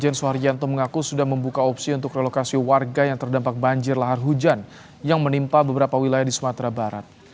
jenderal suharyanto mengaku sudah membuka opsi untuk relokasi warga yang terdampak banjir lahar hujan yang menimpa beberapa wilayah di sumatera barat